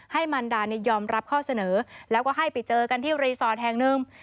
ให้มันดายอมรับข้อเสนอแล้วก็ให้ไปเจอกันที่รีสอร์ทแห่งหนึ่ง